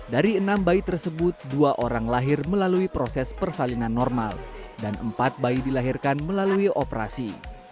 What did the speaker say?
dari enam bayi tersebut dua orang lahir melalui proses persalinan normal dan empat bayi dilahirkan melalui operasi